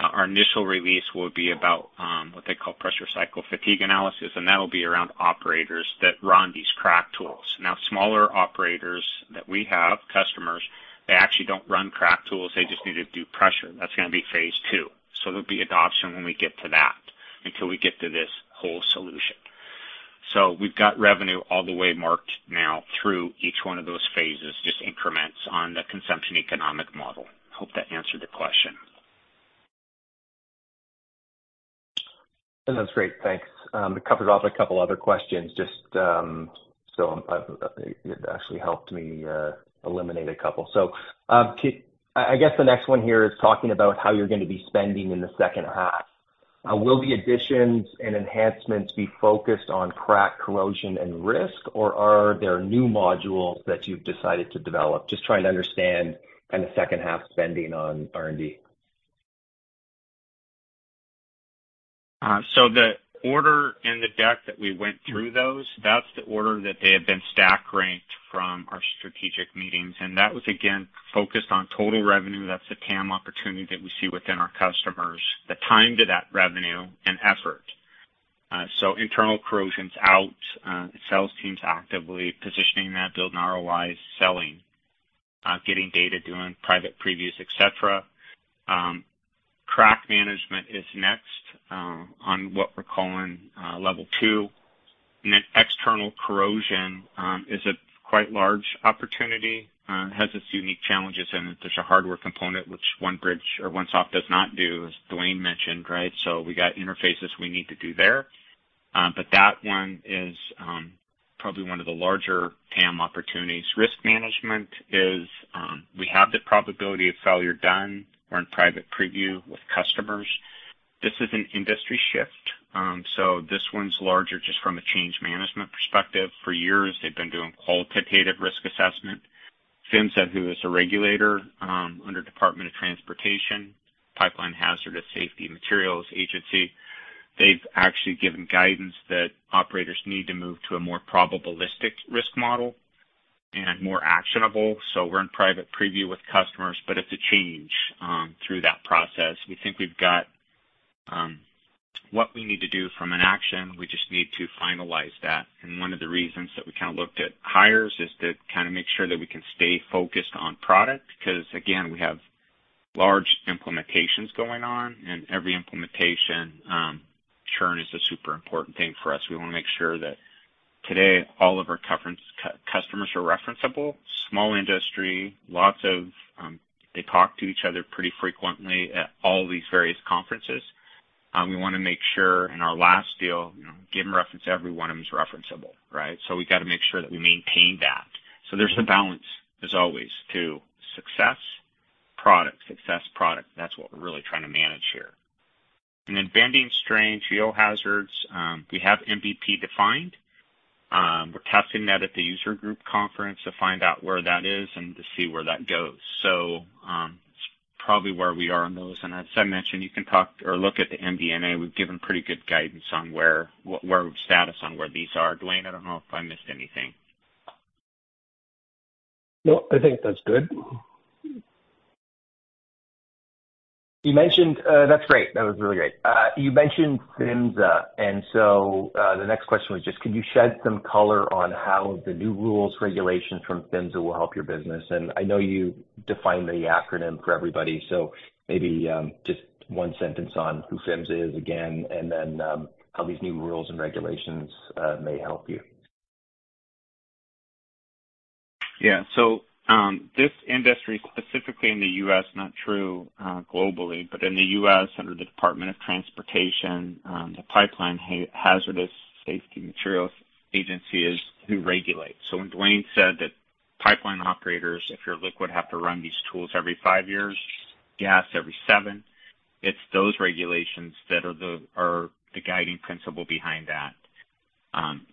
Our initial release will be about what they call pressure cycle fatigue analysis, and that'll be around operators that run these crack tools. Now, smaller operators that we have, customers, they actually don't run crack tools. They just need to do pressure. That's going to be phase II. There'll be adoption when we get to that, until we get to this whole solution. We've got revenue all the way marked now through each one of those phases, just increments on the consumption economic model. Hope that answered the question. That's great. Thanks. It covers off a couple other questions, just, so it actually helped me eliminate a couple. I guess the next one here is talking about how you're going to be spending in the second half. Will the additions and enhancements be focused on crack, corrosion, and risk, or are there new modules that you've decided to develop? Just trying to understand kind of second half spending on R&D. The order and the deck that we went through those, that's the order that they have been stack ranked from our strategic meetings. That was again, focused on total revenue. That's the TAM opportunity that we see within our customers, the time to that revenue and effort. Internal corrosion's out. Sales team's actively positioning that, building ROIs, selling, getting data, doing private previews, et cetera. Crack management is next on what we're calling level two. External corrosion is a quite large opportunity, has its unique challenges, and there's a hardware component which OneBridge or OneSoft does not do, as Dwayne mentioned, right? We got interfaces we need to do there, that one is probably one of the larger TAM opportunities. Risk management is, we have the probability of failure done. We're in private preview with customers. This is an industry shift, so this one's larger just from a change management perspective. For years, they've been doing qualitative risk assessment. PHMSA, who is a regulator, under Department of Transportation, Pipeline Hazardous Safety Materials Agency, they've actually given guidance that operators need to move to a more probabilistic risk model and more actionable. We're in private preview with customers, but it's a change through that process. We think we've got what we need to do from an action. We just need to finalize that. One of the reasons that we kind of looked at hires is to kind of make sure that we can stay focused on product, because again, we have large implementations going on, and every implementation, churn is a super important thing for us. We want to make sure that today all of our conference customers are referenceable, small industry, lots of. They talk to each other pretty frequently at all these various conferences. We want to make sure in our last deal, you know, give them reference, every one of them is referenceable, right? We got to make sure that we maintain that. There's a balance, as always, to success, product, success, product. That's what we're really trying to manage here. Then bending strain, geohazards, we have MVP defined. We're testing that at the user group conference to find out where that is and to see where that goes. Probably where we are on those, and as I mentioned, you can talk or look at the MD&A. We've given pretty good guidance on where, where status on where these are. Dwayne, I don't know if I missed anything? No, I think that's good. You mentioned. That's great. That was really great. You mentioned PHMSA, and so, the next question was just could you shed some color on how the new rules, regulations from PHMSA will help your business? I know you defined the acronym for everybody, so maybe, just one sentence on who PHMSA is again, and then, how these new rules and regulations, may help you. Yeah. This industry, specifically in the U.S., not true globally, but in the U.S., under the Department of Transportation, the Pipeline and Hazardous Materials Safety Administration, is who regulates. When Dwayne said that pipeline operators, if you're liquid, have to run these tools every five years, gas every seven, it's those regulations that are the guiding principle behind that.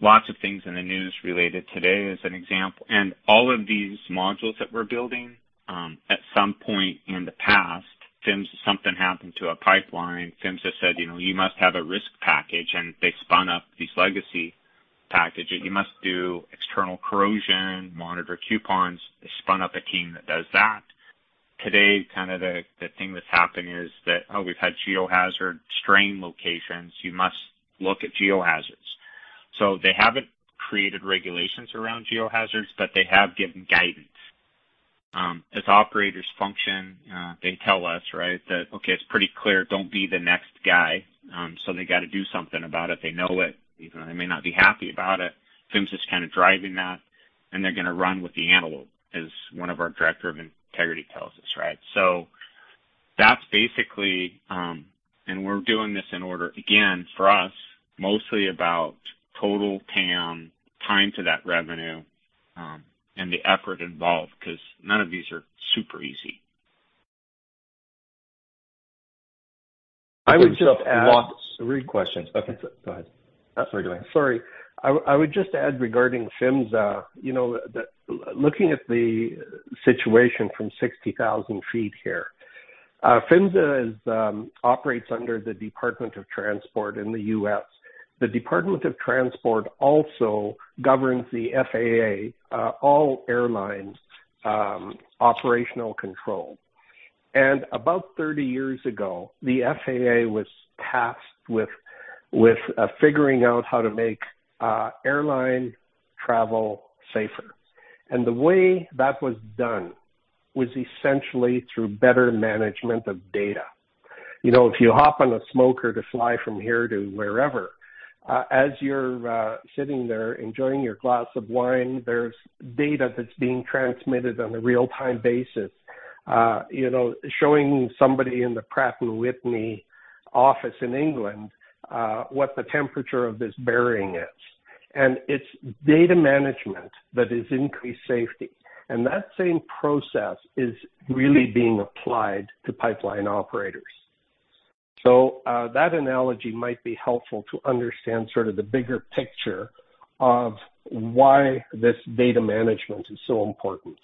Lots of things in the news related today, as an example, and all of these modules that we're building, at some point in the past, PHMSA, something happened to a pipeline. PHMSA said, "You know, you must have a risk package," and they spun up these. Package it, you must do external corrosion, monitor coupons. They spun up a team that does that. Today, kind of the thing that's happened is that, oh, we've had geohazard strain locations. You must look at geohazards. They haven't created regulations around geohazards, but they have given guidance. As operators function, they tell us, right, that, okay, it's pretty clear, don't be the next guy. They got to do something about it. They know it, even though they may not be happy about it. PHMSA's kind of driving that, and they're gonna run with the antelope, as one of our director of integrity tells us, right? That's basically, and we're doing this in order, again, for us, mostly about total TAM, time to that revenue, and the effort involved, because none of these are super easy. I would just add- Lots... Great question. Okay, go ahead. Sorry, Dwayne. Sorry. I, I would just add regarding PHMSA, you know, that looking at the situation from 60,000 feet here, PHMSA operates under the Department of Transportation in the U.S. The Department of Transportation also governs the FAA, all airlines, operational control. About 30 years ago, the FAA was tasked with figuring out how to make airline travel safer. The way that was done was essentially through better management of data. You know, if you hop on a smoker to fly from here to wherever, as you're sitting there enjoying your glass of wine, there's data that's being transmitted on a real-time basis, you know, showing somebody in the Pratt & Whitney office in England, what the temperature of this bearing is. It's data management that is increased safety, and that same process is really being applied to pipeline operators. That analogy might be helpful to understand sort of the bigger picture of why this data management is so important.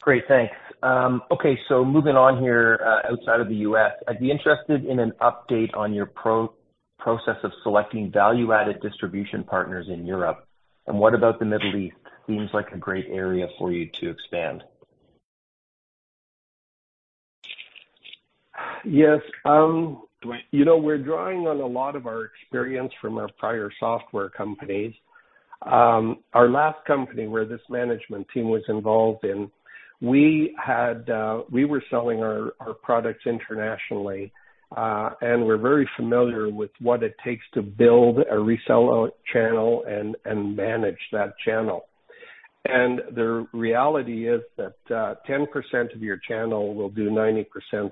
Great, thanks. Okay, so moving on here, outside of the U.S., I'd be interested in an update on your process of selecting value-added distribution partners in Europe. What about the Middle East? Seems like a great area for you to expand. Yes, you know, we're drawing on a lot of our experience from our prior software companies. Our last company, where this management team was involved in, we had, we were selling our, our products internationally, and we're very familiar with what it takes to build a reseller channel and, and manage that channel. The reality is that 10% of your channel will do 90%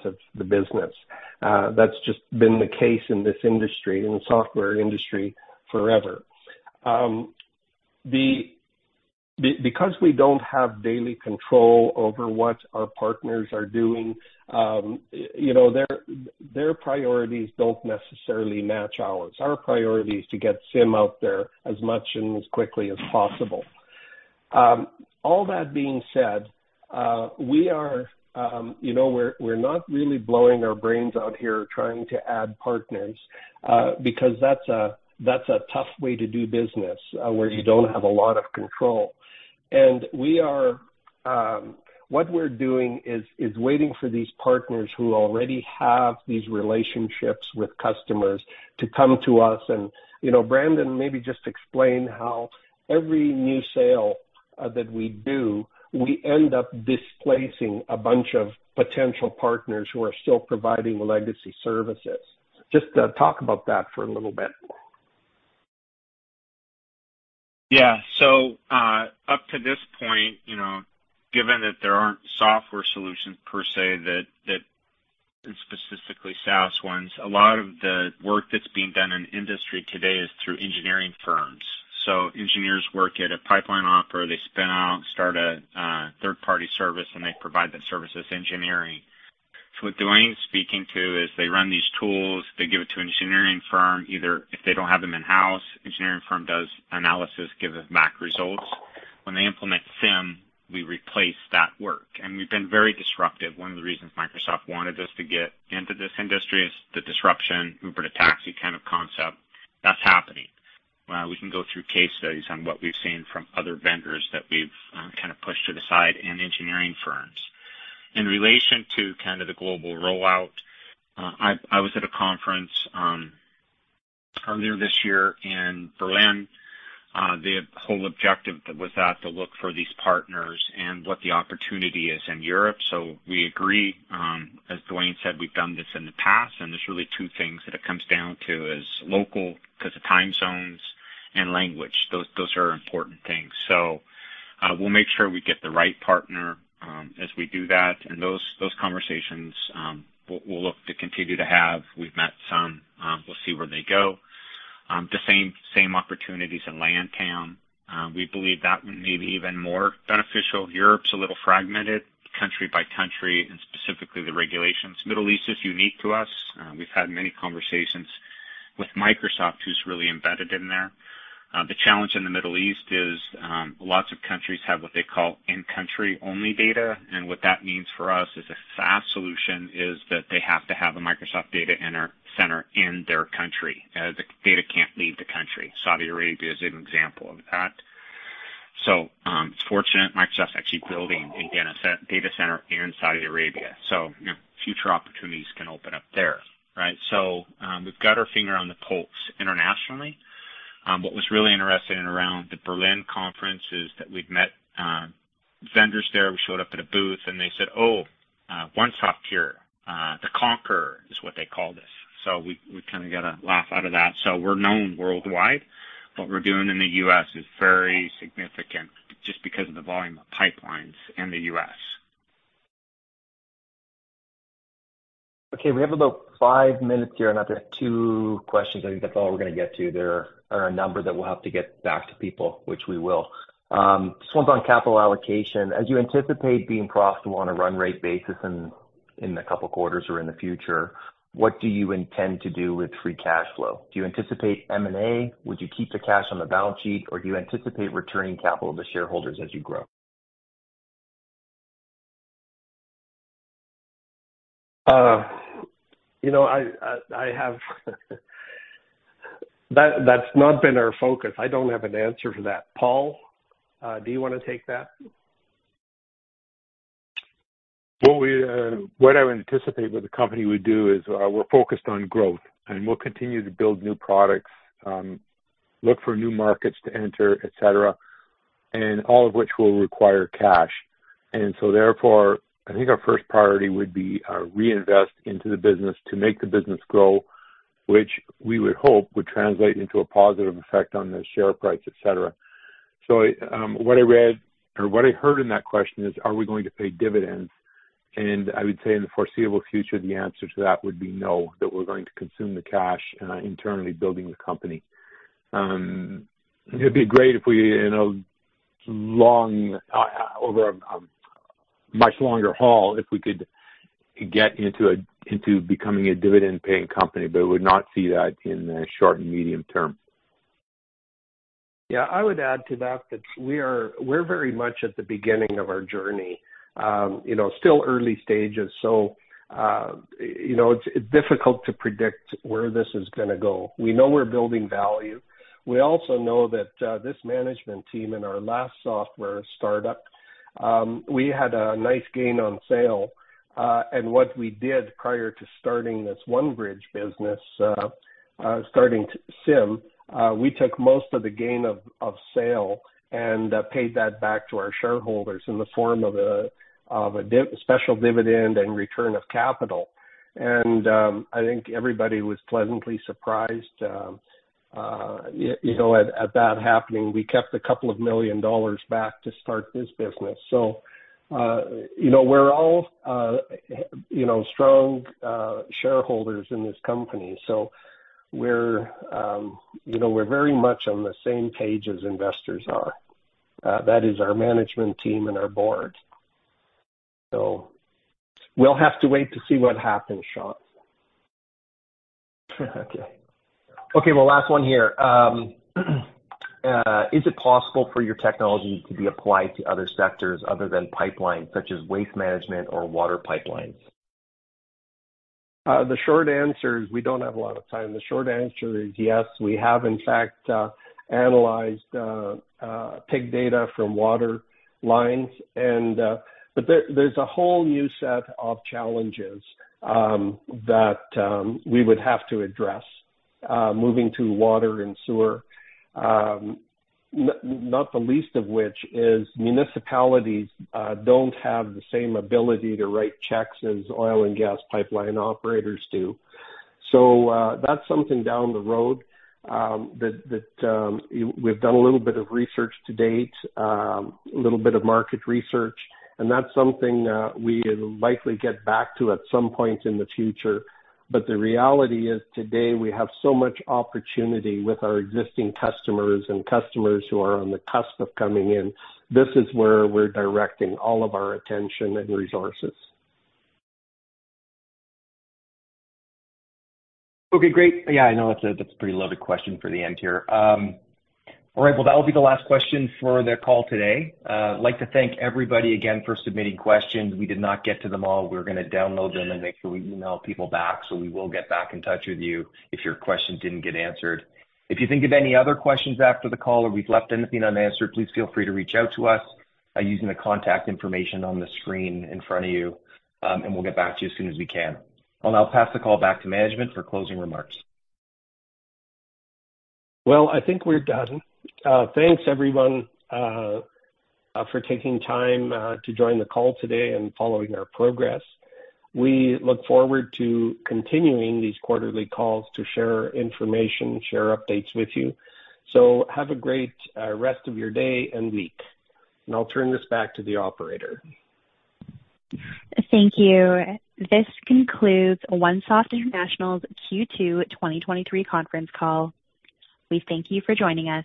of the business. That's just been the case in this industry, in the software industry forever. Because we don't have daily control over what our partners are doing, you know, their, their priorities don't necessarily match ours. Our priority is to get CIM out there as much and as quickly as possible. All that being said, you know, we're, we're not really blowing our brains out here trying to add partners, because that's a, that's a tough way to do business, where you don't have a lot of control. We are, what we're doing is, is waiting for these partners who already have these relationships with customers to come to us. You know, Brandon, maybe just explain how every new sale that we do, we end up displacing a bunch of potential partners who are still providing legacy services. Just talk about that for a little bit. Yeah. up to this point, you know, given that there aren't software solutions per se, that, that and specifically SaaS ones, a lot of the work that's being done in industry today is through engineering firms. engineers work at a pipeline operator. They spin out, start a third-party service, and they provide the services engineering. what Dwayne's speaking to is they run these tools, they give it to an engineering firm, either if they don't have them in-house, engineering firm does analysis, give them back results. When they implement CIM, we replace that work, and we've been very disruptive. One of the reasons Microsoft wanted us to get into this industry is the disruption, Uber to taxi kind of concept that's happening. We can go through case studies on what we've seen from other vendors that we've kind of pushed to the side and engineering firms. In relation to kind of the global rollout, I was at a conference earlier this year in Berlin. The whole objective was that to look for these partners and what the opportunity is in Europe. We agree, as Dwayne said, we've done this in the past, and there's really two things that it comes down to is local, because of time zones and language. Those, those are important things. We'll make sure we get the right partner as we do that. And those, those conversations, we'll look to continue to have. We've met some, we'll see where they go. The same, same opportunities in LATAM. We believe that may be even more beneficial. Europe's a little fragmented, country by country, and specifically the regulations. Middle East is unique to us. We've had many conversations with Microsoft, who's really embedded in there. The challenge in the Middle East is lots of countries have what they call in-country only data, and what that means for us is a SaaS solution, is that they have to have a Microsoft data center in their country. The data can't leave the country. Saudi Arabia is an example of that. It's fortunate, Microsoft's actually building a data center in Saudi Arabia, you know, future opportunities can open up there, right? We've got our finger on the pulse internationally. What was really interesting around the Berlin conference is that we've met vendors there. We showed up at a booth, and they said, "Oh, OneSoft here." The conqueror is what they called us. We kind of get a laugh out of that. We're known worldwide. What we're doing in the U.S. is very significant just because of the volume of pipelines in the U.S. Okay, we have about five minutes here, and I've got two questions. I think that's all we're gonna get to. There are a number that we'll have to get back to people, which we will. This one's on capital allocation. As you anticipate being profitable on a run rate basis in, in two quarters or in the future, what do you intend to do with free cash flow? Do you anticipate M&A? Would you keep the cash on the balance sheet, or do you anticipate returning capital to shareholders as you grow? You know, I have... That's not been our focus. I don't have an answer for that. Paul, do you wanna take that? Well, we, what I would anticipate what the company would do is, we're focused on growth, and we'll continue to build new products, look for new markets to enter, et cetera, and all of which will require cash. Therefore, I think our first priority would be, reinvest into the business to make the business grow, which we would hope would translate into a positive effect on the share price, et cetera. What I read, or what I heard in that question is, are we going to pay dividends? I would say in the foreseeable future, the answer to that would be no, that we're going to consume the cash, internally building the company. It'd be great if we, in a long, over a much longer haul, if we could get into becoming a dividend-paying company, but we would not see that in the short and medium term. Yeah, I would add to that, that we're very much at the beginning of our journey. you know, still early stages, so, you know, it's difficult to predict where this is gonna go. We know we're building value. We also know that, this management team in our last software startup, we had a nice gain on sale. What we did prior to starting this OneBridge business, starting CIM, we took most of the gain of sale and paid that back to our shareholders in the form of a special dividend and return of capital. I think everybody was pleasantly surprised, you know, at that happening. We kept a couple of million dollars back to start this business. You know, we're all, you know, strong shareholders in this company, so we're, you know, we're very much on the same page as investors are. That is our management team and our board. We'll have to wait to see what happens, Sean. Okay. Okay, well, last one here. Is it possible for your technology to be applied to other sectors other than pipelines such as waste management or water pipelines? The short answer is we don't have a lot of time. The short answer is yes. We have, in fact, analyzed PIG data from water lines, there's a whole new set of challenges that we would have to address moving to water and sewer. Not the least of which is municipalities don't have the same ability to write checks as oil and gas pipeline operators do. That's something down the road that, that we've done a little bit of research to date, a little bit of market research, and that's something we will likely get back to at some point in the future. The reality is, today, we have so much opportunity with our existing customers and customers who are on the cusp of coming in. This is where we're directing all of our attention and resources. Okay, great. Yeah, I know that's a, that's a pretty loaded question for the end here. All right. Well, that will be the last question for the call today. I'd like to thank everybody again for submitting questions. We did not get to them all. We're gonna download them and make sure we email people back, so we will get back in touch with you if your question didn't get answered. If you think of any other questions after the call or we've left anything unanswered, please feel free to reach out to us by using the contact information on the screen in front of you, and we'll get back to you as soon as we can. I'll now pass the call back to management for closing remarks. Well, I think we're done. Thanks, everyone, for taking time to join the call today and following our progress. We look forward to continuing these quarterly calls to share information, share updates with you. Have a great rest of your day and week. I'll turn this back to the operator. Thank you. This concludes OneSoft International's Q2 2023 conference call. We thank you for joining us.